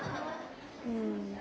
うん。